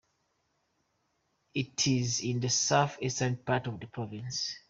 It is in the south-eastern part of the province.